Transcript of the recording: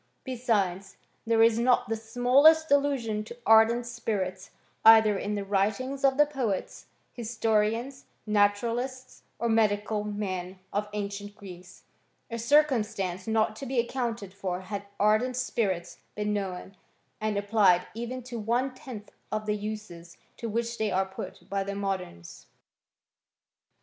Be« sides, there is not the smallest allusion to ardent spirits, either in the writings of the poets, historians, natu ralists, or medical men of ancient Greece; a cir cumstance not to be accounted for had ardent spirits been known, arid applied even to one tenth of the uses to which they are put by the moderns.